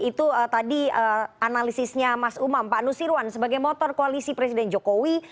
itu tadi analisisnya mas umam pak nusirwan sebagai motor koalisi presiden jokowi